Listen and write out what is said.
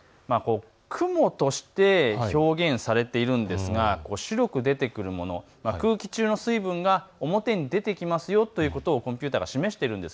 雲として表現されているんですが白く出てくるもの、空気中の水分が表に出てきますよということをコンピューターが示しています。